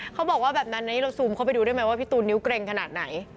เขาบอกว่าแบบนั้นเราซูมเข้าไปดูได้ไหมว่าพี่ตูนนิ้วเกร็งขนาดไหน